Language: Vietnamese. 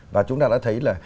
và chúng ta đã thấy là